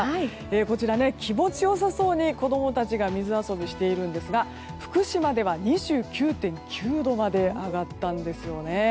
こちら、気持ち良さそうに子供たちが水遊びをしているんですが福島では２９．９度まで上がったんですよね。